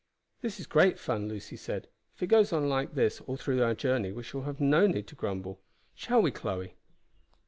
"This is great fun," Lucy said. "If it goes on like it all through our journey we shall have no need to grumble. Shall we Chloe?"